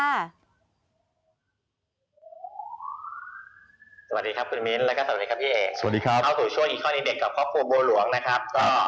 สวัสดีครับคุณมิ้นและก็สวัสดีครับพี่แอ๋